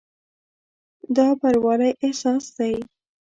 دا بروالي احساس دی.